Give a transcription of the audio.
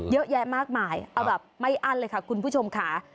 เยอะแยะมากมายเอาแบบไม่อั้นเลยค่ะคุณผู้ชมค่ะ